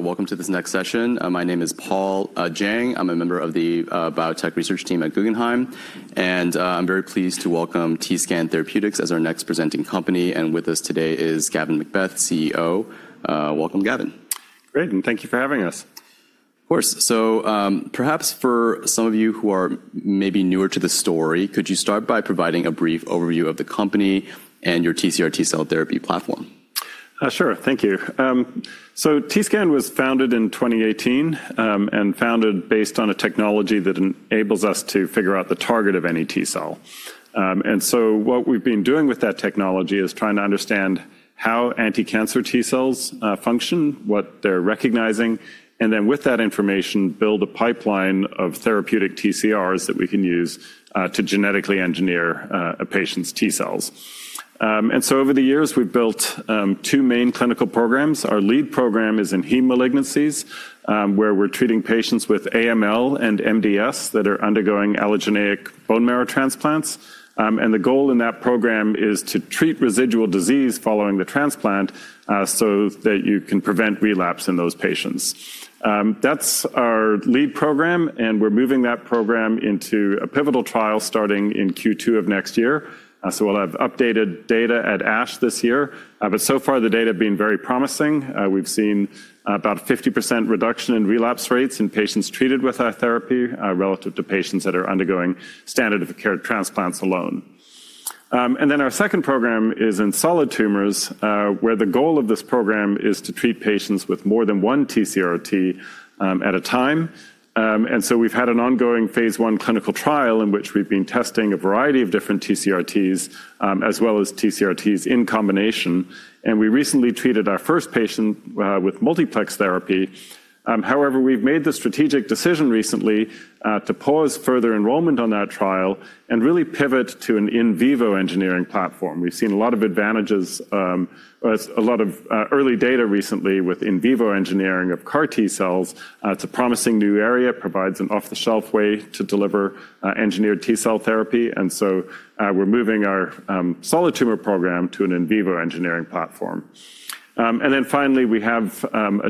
Welcome to this next session. My name is Paul Jiang. I'm a member of the biotech research team at Guggenheim, and I'm very pleased to welcome TScan Therapeutics as our next presenting company. With us today is Gavin MacBeath, CEO. Welcome, Gavin. Great. Thank you for having us. Of course. Perhaps for some of you who are maybe newer to the story, could you start by providing a brief overview of the company and your TCR-T cell therapy platform? Sure. Thank you. TScan was founded in 2018 and founded based on a technology that enables us to figure out the target of any T-cell. What we've been doing with that technology is trying to understand how anti-cancer T-cells function, what they're recognizing, and then with that information, build a pipeline of therapeutic TCRs that we can use to genetically engineer a patient's T-cells. Over the years, we've built two main clinical programs. Our lead program is in heme malignancies, where we're treating patients with AML and MDS that are undergoing allogeneic bone marrow transplants. The goal in that program is to treat residual disease following the transplant so that you can prevent relapse in those patients. That's our lead program, and we're moving that program into a pivotal trial starting in Q2 of next year. We'll have updated data at ASH this year. So far, the data have been very promising. We've seen about a 50% reduction in relapse rates in patients treated with our therapy relative to patients that are undergoing standard of care transplants alone. Our second program is in solid tumors, where the goal of this program is to treat patients with more than one TCR-T at a time. We've had an ongoing phase I clinical trial in which we've been testing a variety of different TCR-Ts as well as TCR-Ts in combination. We recently treated our first patient with multiplex therapy. However, we've made the strategic decision recently to pause further enrollment on that trial and really pivot to an in vivo engineering platform. We've seen a lot of advantages, a lot of early data recently with in vivo engineering of CAR T-cells. It's a promising new area, provides an off-the-shelf way to deliver engineered T-cell therapy. We're moving our solid tumor program to an in vivo engineering platform. Finally, we have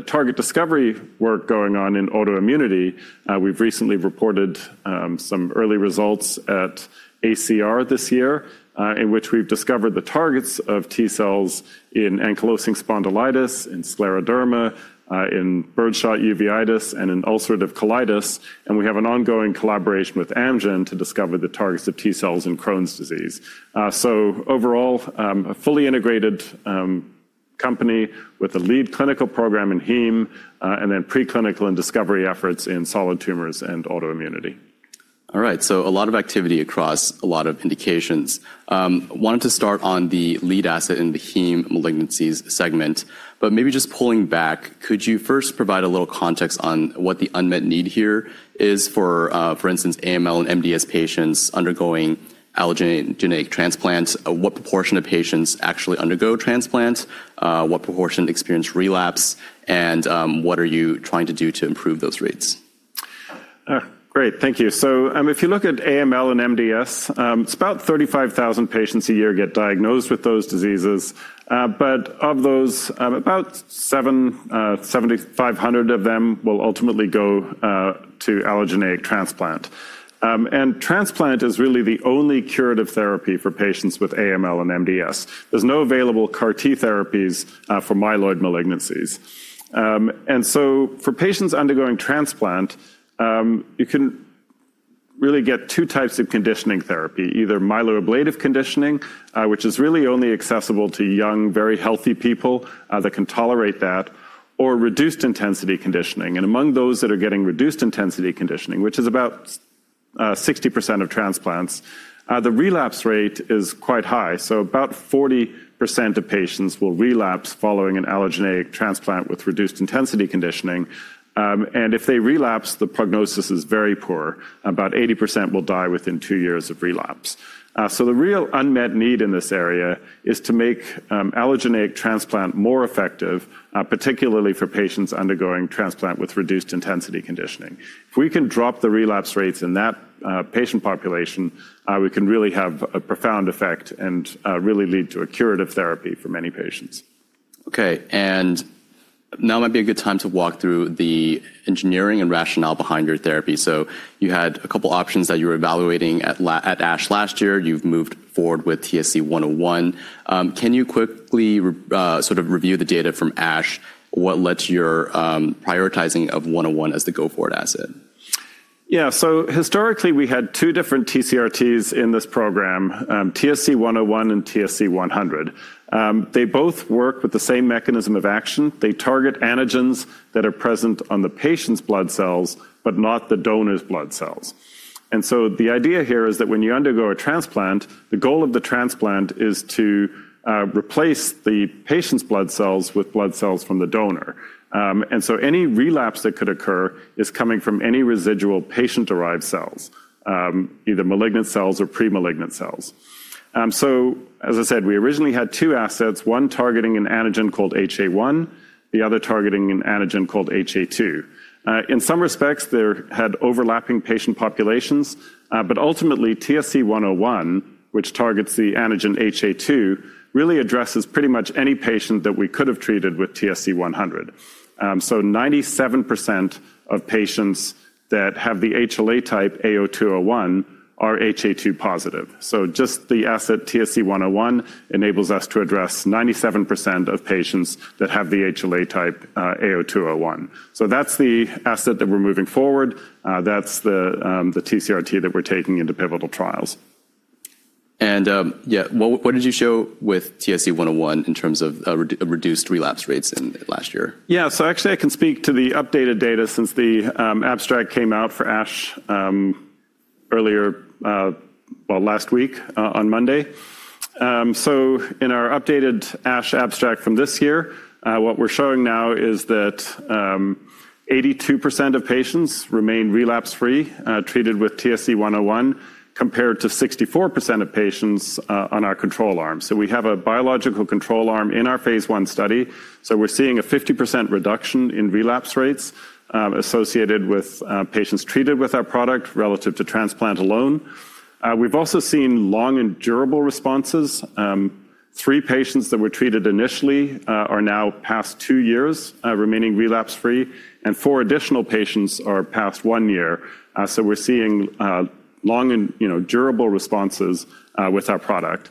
target discovery work going on in autoimmunity. We've recently reported some early results at ACR this year, in which we've discovered the targets of T-cells in ankylosing spondylitis, in scleroderma, in bird shot uveitis, and in ulcerative colitis. We have an ongoing collaboration with Amgen to discover the targets of T-cells in Crohn's disease. Overall, a fully integrated company with a lead clinical program in heme, and then preclinical and discovery efforts in solid tumors and autoimmunity. All right. A lot of activity across a lot of indications. I wanted to start on the lead asset in the heme malignancies segment, but maybe just pulling back, could you first provide a little context on what the unmet need here is for, for instance, AML and MDS patients undergoing allogeneic transplants? What proportion of patients actually undergo transplants? What proportion experience relapse? What are you trying to do to improve those rates? Great. Thank you. If you look at AML and MDS, it's about 35,000 patients a year get diagnosed with those diseases. Of those, about 7,500 of them will ultimately go to allogeneic transplant. Transplant is really the only curative therapy for patients with AML and MDS. There's no available CAR T therapies for myeloid malignancies. For patients undergoing transplant, you can really get two types of conditioning therapy, either myeloablative conditioning, which is really only accessible to young, very healthy people that can tolerate that, or reduced intensity conditioning. Among those that are getting reduced intensity conditioning, which is about 60% of transplants, the relapse rate is quite high. About 40% of patients will relapse following an allogeneic transplant with reduced intensity conditioning. If they relapse, the prognosis is very poor. About 80% will die within two years of relapse. The real unmet need in this area is to make allogeneic transplant more effective, particularly for patients undergoing transplant with reduced intensity conditioning. If we can drop the relapse rates in that patient population, we can really have a profound effect and really lead to a curative therapy for many patients. Okay. Now might be a good time to walk through the engineering and rationale behind your therapy. You had a couple of options that you were evaluating at ASH last year. You have moved forward with TSC-101. Can you quickly sort of review the data from ASH? What led to your prioritizing of 101 as the go-forward asset? Yeah. Historically, we had two different TCRTs in this program, TSC-101 and TSC-100. They both work with the same mechanism of action. They target antigens that are present on the patient's blood cells, but not the donor's blood cells. The idea here is that when you undergo a transplant, the goal of the transplant is to replace the patient's blood cells with blood cells from the donor. Any relapse that could occur is coming from any residual patient-derived cells, either malignant cells or premalignant cells. As I said, we originally had two assets, one targeting an antigen called HA1, the other targeting an antigen called HA2. In some respects, they had overlapping patient populations. Ultimately, TSC-101, which targets the antigen HA2, really addresses pretty much any patient that we could have treated with TSC-100. Ninety-seven percent of patients that have the HLA type A0201 are HA2 positive. Just the asset TSC-101 enables us to address 97% of patients that have the HLA type A0201. That is the asset that we're moving forward. That is the TCR-T that we're taking into pivotal trials. Yeah, what did you show with TSC-101 in terms of reduced relapse rates last year? Yeah. Actually, I can speak to the updated data since the abstract came out for ASH earlier, last week on Monday. In our updated ASH abstract from this year, what we're showing now is that 82% of patients remain relapse-free treated with TSC-101 compared to 64% of patients on our control arm. We have a biological control arm in our phase I study. We're seeing a 50% reduction in relapse rates associated with patients treated with our product relative to transplant alone. We've also seen long and durable responses. Three patients that were treated initially are now past two years remaining relapse-free, and four additional patients are past one year. We're seeing long and durable responses with our product.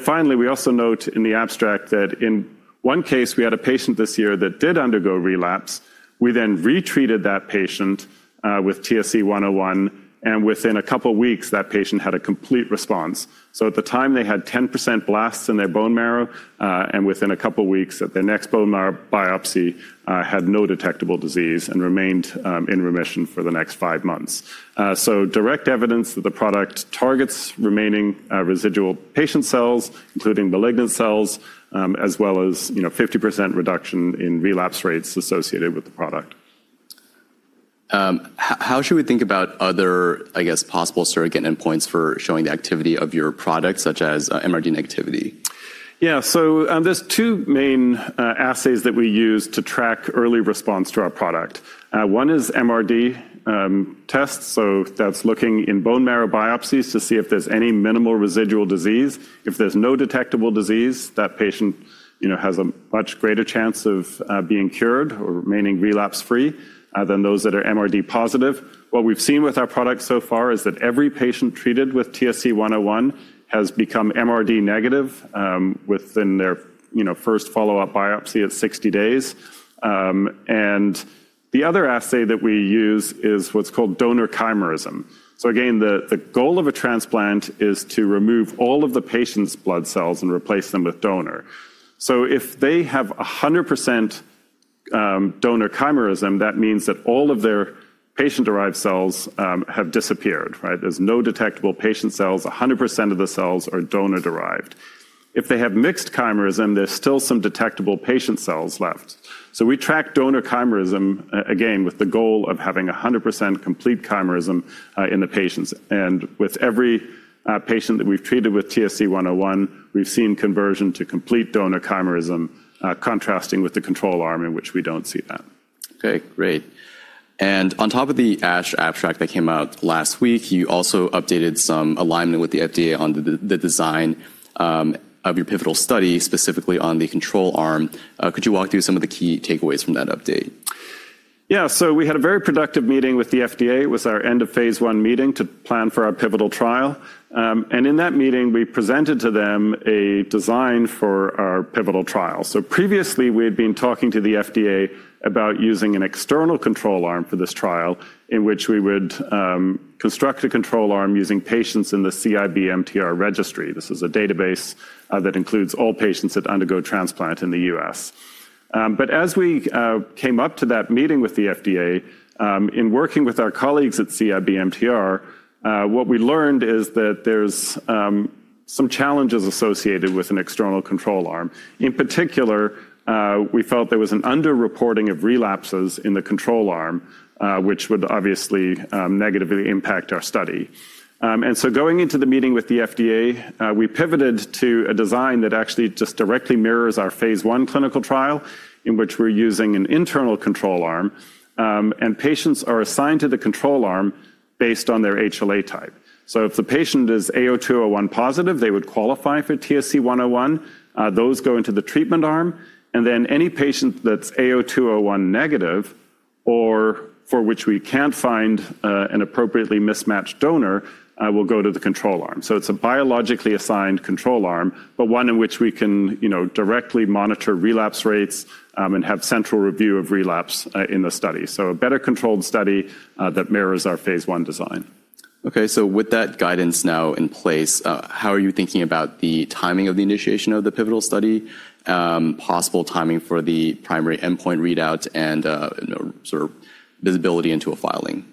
Finally, we also note in the abstract that in one case, we had a patient this year that did undergo relapse. We then retreated that patient with TSC-101, and within a couple of weeks, that patient had a complete response. At the time, they had 10% blasts in their bone marrow, and within a couple of weeks, at their next bone marrow biopsy, had no detectable disease and remained in remission for the next five months. This is direct evidence that the product targets remaining residual patient cells, including malignant cells, as well as 50% reduction in relapse rates associated with the product. How should we think about other, I guess, possible surrogate endpoints for showing the activity of your product, such as MRD negativity? Yeah. There are two main assays that we use to track early response to our product. One is MRD tests. That is looking in bone marrow biopsies to see if there is any minimal residual disease. If there is no detectable disease, that patient has a much greater chance of being cured or remaining relapse-free than those that are MRD positive. What we have seen with our product so far is that every patient treated with TSC-101 has become MRD negative within their first follow-up biopsy at 60 days. The other assay that we use is what is called donor chimerism. The goal of a transplant is to remove all of the patient's blood cells and replace them with donor. If they have 100% donor chimerism, that means that all of their patient-derived cells have disappeared. There are no detectable patient cells. 100% of the cells are donor-derived. If they have mixed chimerism, there's still some detectable patient cells left. We track donor chimerism again with the goal of having 100% complete chimerism in the patients. With every patient that we've treated with TSC-101, we've seen conversion to complete donor chimerism, contrasting with the control arm in which we don't see that. OK. Great. On top of the ASH abstract that came out last week, you also updated some alignment with the FDA on the design of your pivotal study, specifically on the control arm. Could you walk through some of the key takeaways from that update? Yeah. We had a very productive meeting with the FDA, with our end of phase I meeting to plan for our pivotal trial. In that meeting, we presented to them a design for our pivotal trial. Previously, we had been talking to the FDA about using an external control arm for this trial, in which we would construct a control arm using patients in the CIBMTR registry. This is a database that includes all patients that undergo transplant in the U.S. As we came up to that meeting with the FDA, in working with our colleagues at CIBMTR, what we learned is that there are some challenges associated with an external control arm. In particular, we felt there was an underreporting of relapses in the control arm, which would obviously negatively impact our study. Going into the meeting with the FDA, we pivoted to a design that actually just directly mirrors our phase I clinical trial, in which we're using an internal control arm. Patients are assigned to the control arm based on their HLA type. If the patient is A0201 positive, they would qualify for TSC-101. Those go into the treatment arm. Any patient that's A0201 negative, or for which we can't find an appropriately mismatched donor, will go to the control arm. It is a biologically assigned control arm, but one in which we can directly monitor relapse rates and have central review of relapse in the study. It is a better controlled study that mirrors our phase I design. Okay. So with that guidance now in place, how are you thinking about the timing of the initiation of the pivotal study, possible timing for the primary endpoint readout, and sort of visibility into a filing?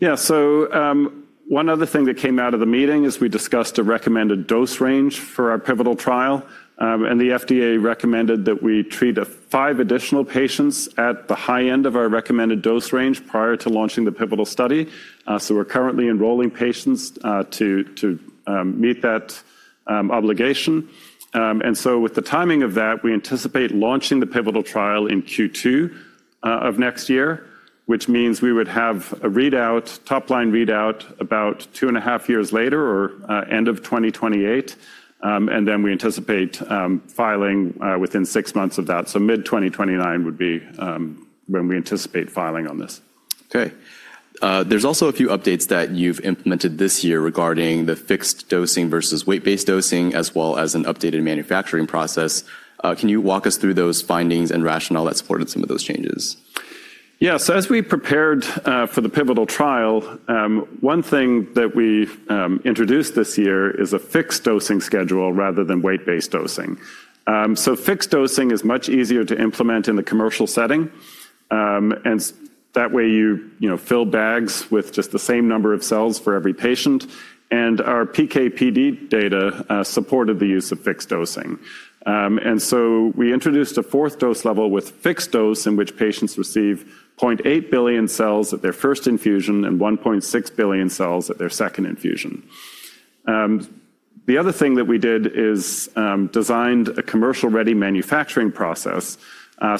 Yeah. So one other thing that came out of the meeting is we discussed a recommended dose range for our pivotal trial. The FDA recommended that we treat five additional patients at the high end of our recommended dose range prior to launching the pivotal study. We are currently enrolling patients to meet that obligation. With the timing of that, we anticipate launching the pivotal trial in Q2 of next year, which means we would have a top-line readout about 2 and a half later or end of 2028. We anticipate filing within six months of that. Mid-2029 would be when we anticipate filing on this. OK. There's also a few updates that you've implemented this year regarding the fixed dosing versus weight-based dosing, as well as an updated manufacturing process. Can you walk us through those findings and rationale that supported some of those changes? Yeah. As we prepared for the pivotal trial, one thing that we introduced this year is a fixed dosing schedule rather than weight-based dosing. Fixed dosing is much easier to implement in the commercial setting. That way, you fill bags with just the same number of cells for every patient. Our PK/PD data supported the use of fixed dosing. We introduced a fourth dose level with fixed dose, in which patients receive 0.8 billion cells at their first infusion and 1.6 billion cells at their second infusion. The other thing that we did is designed a commercial-ready manufacturing process.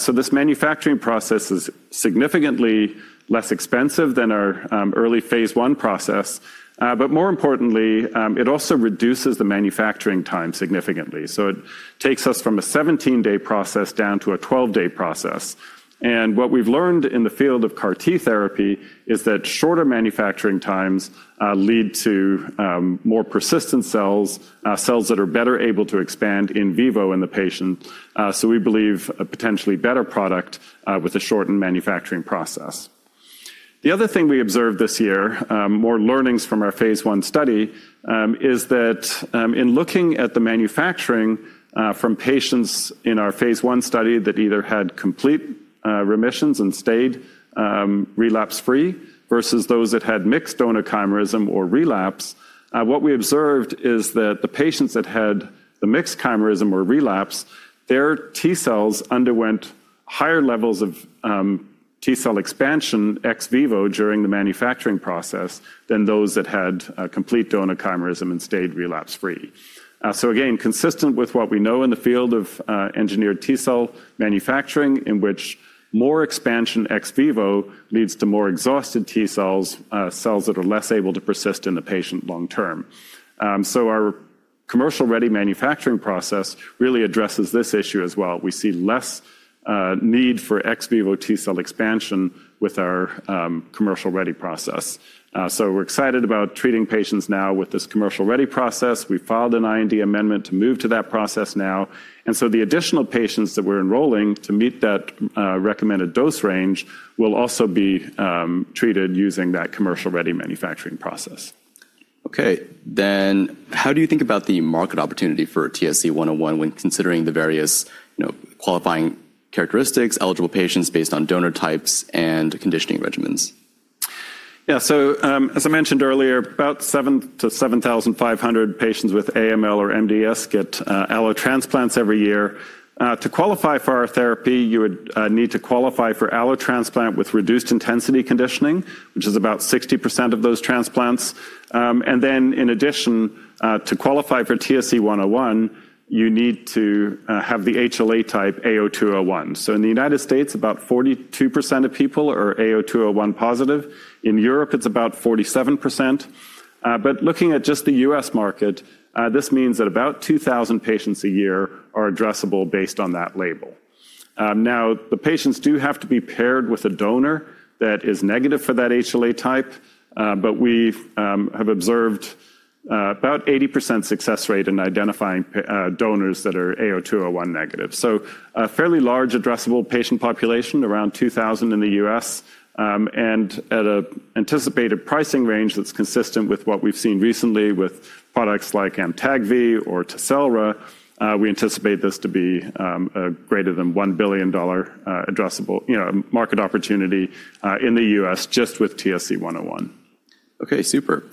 This manufacturing process is significantly less expensive than our early phase I process. More importantly, it also reduces the manufacturing time significantly. It takes us from a 17-day process down to a 12-day process. What we've learned in the field of CAR T therapy is that shorter manufacturing times lead to more persistent cells, cells that are better able to expand in vivo in the patient. We believe a potentially better product with a shortened manufacturing process. The other thing we observed this year, more learnings from our phase I study, is that in looking at the manufacturing from patients in our phase I study that either had complete remissions and stayed relapse-free versus those that had mixed donor chimerism or relapse, what we observed is that the patients that had the mixed chimerism or relapse, their T cells underwent higher levels of T cell expansion ex vivo during the manufacturing process than those that had complete donor chimerism and stayed relapse-free. Again, consistent with what we know in the field of engineered T cell manufacturing, in which more expansion ex vivo leads to more exhausted T cells, cells that are less able to persist in the patient long term. Our commercial-ready manufacturing process really addresses this issue as well. We see less need for ex vivo T cell expansion with our commercial-ready process. We're excited about treating patients now with this commercial-ready process. We filed an IND amendment to move to that process now. The additional patients that we're enrolling to meet that recommended dose range will also be treated using that commercial-ready manufacturing process. Okay. Then how do you think about the market opportunity for TSC-101 when considering the various qualifying characteristics, eligible patients based on donor types and conditioning regimens? Yeah. As I mentioned earlier, about 7,000-7,500 patients with AML or MDS get allotransplants every year. To qualify for our therapy, you would need to qualify for allotransplant with reduced intensity conditioning, which is about 60% of those transplants. In addition, to qualify for TSC-101, you need to have the HLA type A0201. In the United States, about 42% of people are A0201 positive. In Europe, it is about 47%. Looking at just the US market, this means that about 2,000 patients a year are addressable based on that label. The patients do have to be paired with a donor that is negative for that HLA type. We have observed about 80% success rate in identifying donors that are A0201 negative. A fairly large addressable patient population, around 2,000 in the US. At an anticipated pricing range that's consistent with what we've seen recently with products like Amtagvi or Tecelra, we anticipate this to be a greater than $1 billion addressable market opportunity in the US just with TSC-101. OK. Super.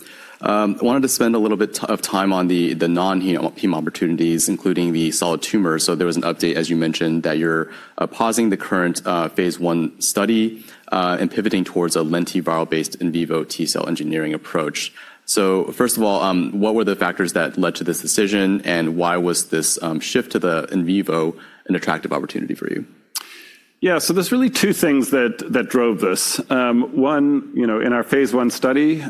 I wanted to spend a little bit of time on the non-heme opportunities, including the solid tumor. There was an update, as you mentioned, that you're pausing the current phase I study and pivoting towards a lentiviral-based in vivo T cell engineering approach. First of all, what were the factors that led to this decision, and why was this shift to the in vivo an attractive opportunity for you? Yeah. So there's really two things that drove this. One, in our phase I study,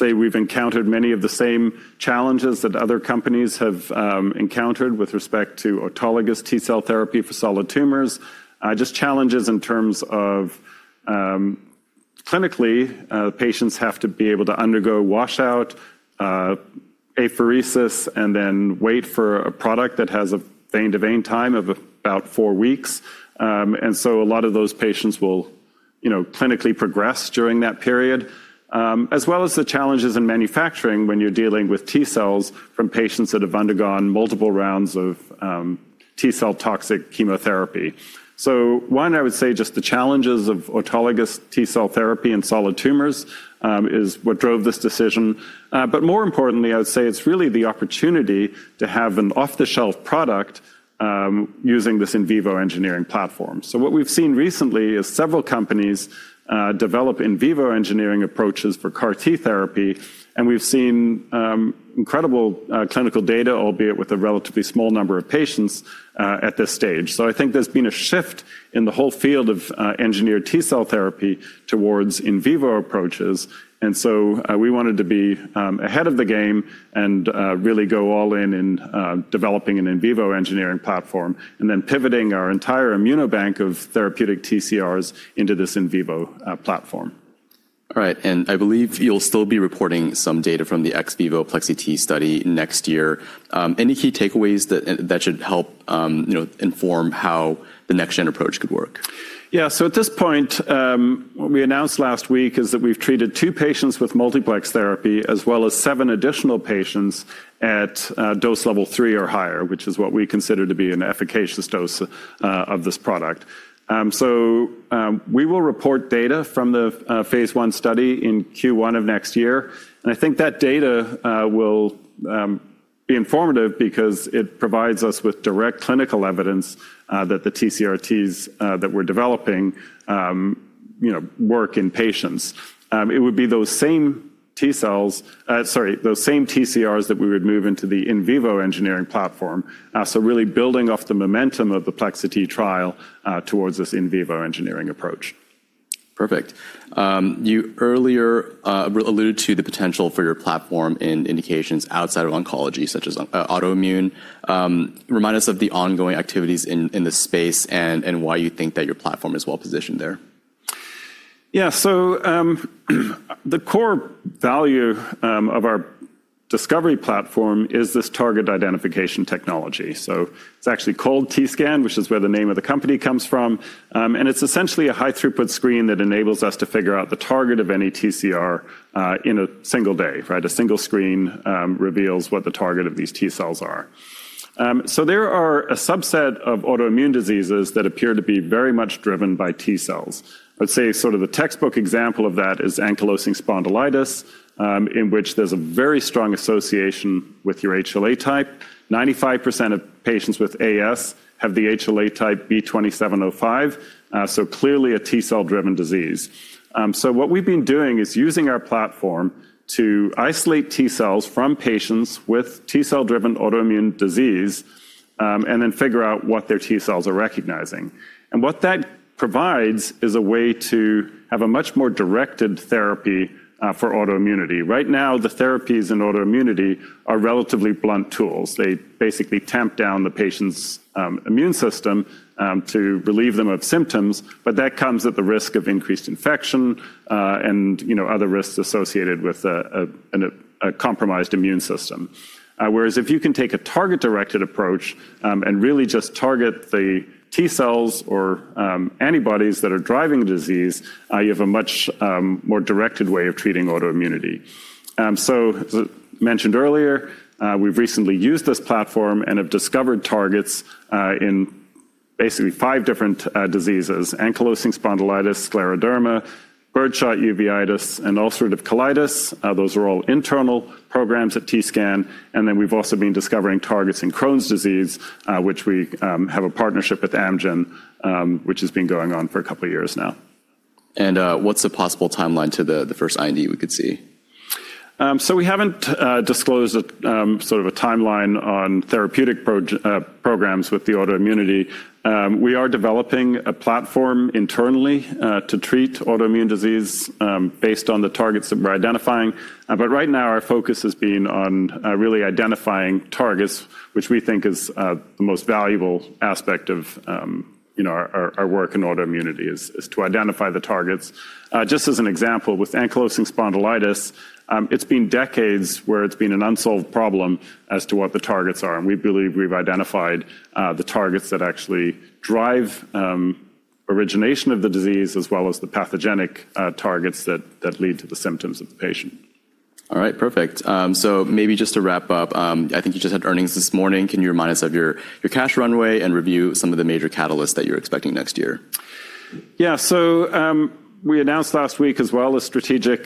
we've encountered many of the same challenges that other companies have encountered with respect to autologous T cell therapy for solid tumors, just challenges in terms of clinically, patients have to be able to undergo washout, apheresis, and then wait for a product that has a vein-to-vein time of about four weeks. A lot of those patients will clinically progress during that period, as well as the challenges in manufacturing when you're dealing with T cells from patients that have undergone multiple rounds of T cell toxic chemotherapy. One, I would say just the challenges of autologous T cell therapy in solid tumors is what drove this decision. More importantly, I would say it's really the opportunity to have an off-the-shelf product using this in vivo engineering platform. What we have seen recently is several companies develop in vivo engineering approaches for CAR T therapy. We have seen incredible clinical data, albeit with a relatively small number of patients at this stage. I think there has been a shift in the whole field of engineered T cell therapy towards in vivo approaches. We wanted to be ahead of the game and really go all in in developing an in vivo engineering platform, and then pivoting our entire ImmunoBank of therapeutic TCRs into this in vivo platform. All right. I believe you'll still be reporting some data from the ex vivo Plexi-T study next year. Any key takeaways that should help inform how the next-gen approach could work? Yeah. At this point, what we announced last week is that we've treated two patients with multiplex therapy, as well as seven additional patients at dose level three or higher, which is what we consider to be an efficacious dose of this product. We will report data from the phase I study in Q1 of next year. I think that data will be informative because it provides us with direct clinical evidence that the TCRTs that we're developing work in patients. It would be those same T cells, sorry, those same TCRs that we would move into the in vivo engineering platform. Really building off the momentum of the Plexi-T trial towards this in vivo engineering approach. Perfect. You earlier alluded to the potential for your platform in indications outside of oncology, such as autoimmune. Remind us of the ongoing activities in the space and why you think that your platform is well positioned there. Yeah. The core value of our discovery platform is this target identification technology. It is actually called TScan, which is where the name of the company comes from. It is essentially a high-throughput screen that enables us to figure out the target of any TCR in a single day. A single screen reveals what the target of these T cells are. There are a subset of autoimmune diseases that appear to be very much driven by T cells. I would say sort of the textbook example of that is ankylosing spondylitis, in which there is a very strong association with your HLA type. 95% of patients with AS have the HLA type B2705, so clearly a T cell-driven disease. What we have been doing is using our platform to isolate T cells from patients with T cell-driven autoimmune disease and then figure out what their T cells are recognizing. What that provides is a way to have a much more directed therapy for autoimmunity. Right now, the therapies in autoimmunity are relatively blunt tools. They basically tamp down the patient's immune system to relieve them of symptoms. That comes at the risk of increased infection and other risks associated with a compromised immune system. Whereas if you can take a target-directed approach and really just target the T cells or antibodies that are driving the disease, you have a much more directed way of treating autoimmunity. As mentioned earlier, we've recently used this platform and have discovered targets in basically five different diseases: ankylosing spondylitis, scleroderma, bird shot uveitis, and ulcerative colitis. Those are all internal programs at TScan. We've also been discovering targets in Crohn's disease, which we have a partnership with Amgen, which has been going on for a couple of years now. What's the possible timeline to the first IND we could see? We have not disclosed sort of a timeline on therapeutic programs with the autoimmunity. We are developing a platform internally to treat autoimmune disease based on the targets that we are identifying. Right now, our focus has been on really identifying targets, which we think is the most valuable aspect of our work in autoimmunity, to identify the targets. Just as an example, with ankylosing spondylitis, it has been decades where it has been an unsolved problem as to what the targets are. We believe we have identified the targets that actually drive origination of the disease, as well as the pathogenic targets that lead to the symptoms of the patient. All right. Perfect. Maybe just to wrap up, I think you just had earnings this morning. Can you remind us of your cash runway and review some of the major catalysts that you're expecting next year? Yeah. We announced last week, as well as strategic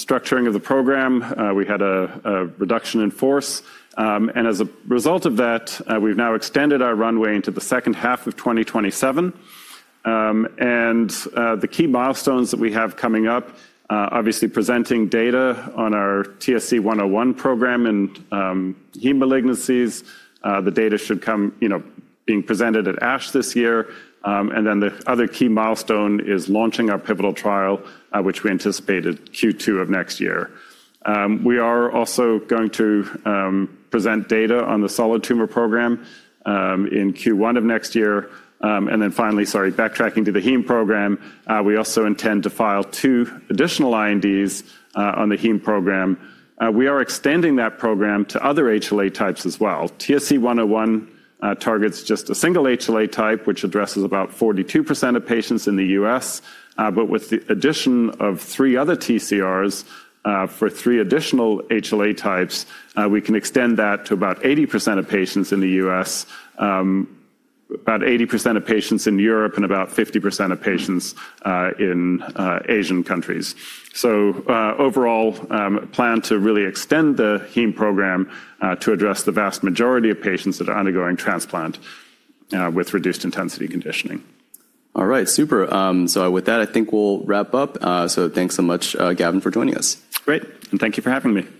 structuring of the program, we had a reduction in force. As a result of that, we've now extended our runway into the second half of 2027. The key milestones that we have coming up, obviously presenting data on our TSC-101 program in heme malignancies, the data should be presented at ASH this year. The other key milestone is launching our pivotal trial, which we anticipate in Q2 of next year. We are also going to present data on the solid tumor program in Q1 of next year. Finally, sorry, backtracking to the heme program, we also intend to file two additional INDs on the heme program. We are extending that program to other HLA types as well. TSC-101 targets just a single HLA type, which addresses about 42% of patients in the U.S. With the addition of three other TCRs for three additional HLA types, we can extend that to about 80% of patients in the U.S., about 80% of patients in Europe, and about 50% of patients in Asian countries. Overall, plan to really extend the heme program to address the vast majority of patients that are undergoing transplant with reduced intensity conditioning. All right. Super. With that, I think we'll wrap up. Thanks so much, Gavin, for joining us. Great. Thank you for having me.